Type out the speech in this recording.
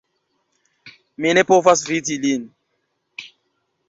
Mi ne povas vidi lin